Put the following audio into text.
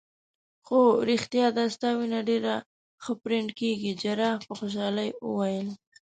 هو ریښتیا دا ستا وینه ډیره ښه پرنډ کیږي. جراح په خوشحالۍ وویل.